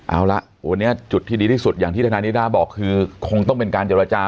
เอาละวันนี้จุดที่ดีที่สุดอย่างที่ทนายนิด้าบอกคือคงต้องเป็นการเจรจา